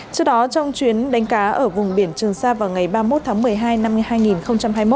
trước đó trong chuyến đánh cá ở vùng biển trường sa vào ngày ba mươi một tháng một mươi hai năm hai nghìn hai mươi một